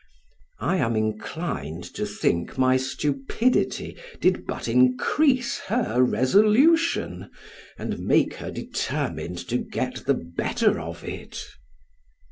I am inclined to think my stupidity did but increase her resolution, and make her determined to get the better of it.